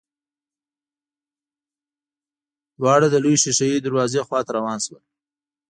دواړه د لويې ښېښه يي دروازې خواته روان شول.